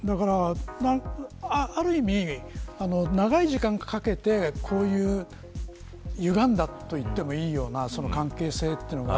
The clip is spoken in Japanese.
ある意味、長い時間をかけてこういうゆがんだといってもいいような関係性というのが